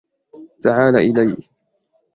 تعال إلي